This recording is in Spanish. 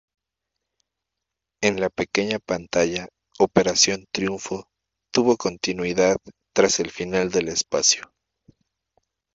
En la pequeña pantalla, "Operación Triunfo" tuvo continuidad tras el final del espacio.